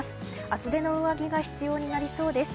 厚手の上着が必要になりそうです。